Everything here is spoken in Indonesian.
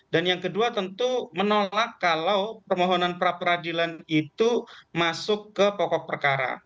yang kedua tentu menolak kalau permohonan pra peradilan itu masuk ke pokok perkara